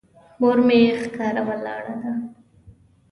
مور مې ښکاره ولاړه ده.